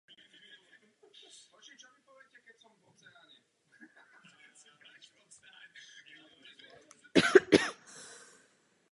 Město Bratislava nebylo součástí Bratislavské župy.